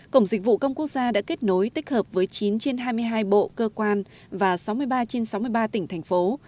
cổng dịch vụ công quốc gia đã kết nối tích hợp với chín trên hai mươi hai bộ cơ quan và sáu mươi ba trên sáu mươi ba tỉnh thành phố